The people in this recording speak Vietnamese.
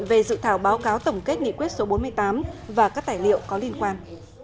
về dự thảo báo cáo tổng kết nghị quyết số bốn mươi tám và các tài liệu có liên quan